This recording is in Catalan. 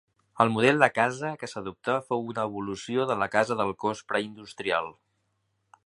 El model de casa que s'adoptà fou una evolució de la casa de cos preindustrial.